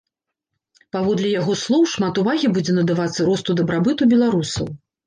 Паводле яго слоў, шмат увагі будзе надавацца росту дабрабыту беларусаў.